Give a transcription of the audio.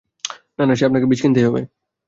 না, না, সে-আপনাকে বীজ কিনতেই হবে।